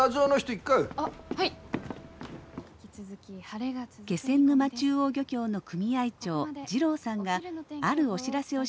気仙沼中央漁協の組合長滋郎さんがあるお知らせをしに来ました。